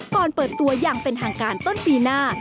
เปิดตัวอย่างเป็นทางการต้นปีหน้า